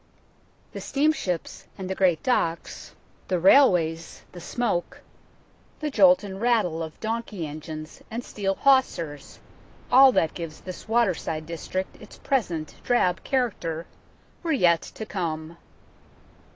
The steamships and the great docks, the rail 107 io8 UNKNOWN LONDON ways, the smoke, the jolt and rattle of donkey engines and steel hawsers, all that gives this waterside district its present drab character, were yet to come.